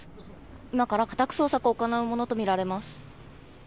今から家宅捜索を行うものとみられます。